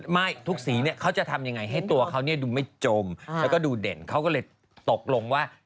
ไม่ทุกสีเนี่ยเขาจะทำยังไงให้ตัวเขาดูไม่จมแล้วก็ดูเด่นเขาก็เลยตกลงว่า